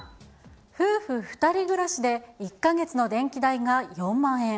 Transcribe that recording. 夫婦２人暮らしで１か月の電気代が４万円。